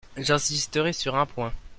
J’insisterai sur un point.